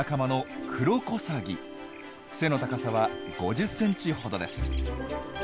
背の高さは５０センチほどです。